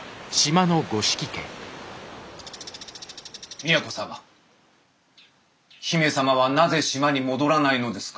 都様姫様はなぜ島に戻らないのですか？